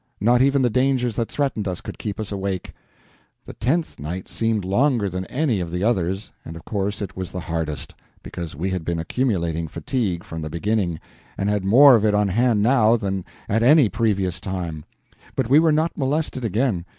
Not even the dangers that threatened us could keep us awake. This tenth night seemed longer than any of the others, and of course it was the hardest, because we had been accumulating fatigue from the beginning, and had more of it on hand now than at any previous time. But we were not molested again.